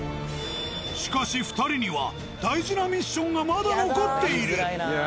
しかし２人には大事なミッションがまだ残っている。